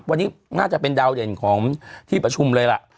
วันนี้น่าจะเป็นดาวเด่นของที่ประชุมเลยล่ะ